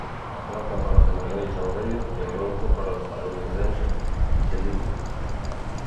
A prata para o canadense Aurelio e o bronce para o estadounidense Chelimo.